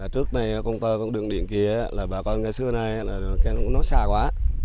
trước này công tơ có đường điện kia và còn ngày xưa này nó xa quá